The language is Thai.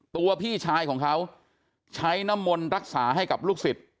ตัวพี่ชายของเขาใช้น้ำมนต์รักษาให้กับลูกศิษย์